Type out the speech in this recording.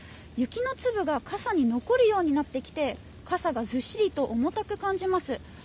雪の粒が傘に残るようになってきて傘がずっしりと重たく感じます。